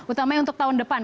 utamanya untuk tahun depan